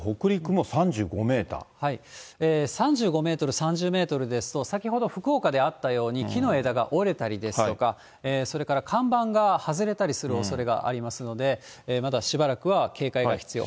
北海道、３５メートル、３０メートルですと、先ほど、福岡であったように、木の枝が折れたりですとか、それから看板が外れたりするおそれがありますので、まだしばらくは警戒が必要。